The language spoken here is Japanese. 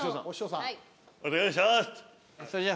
・お願いします。